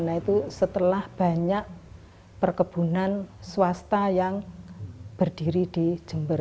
nah itu setelah banyak perkebunan swasta yang berdiri di jember